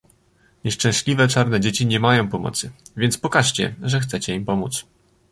"Nieszczęśliwe czarne dzieci nie mają pomocy, więc pokażcie, że chcecie im pomóc."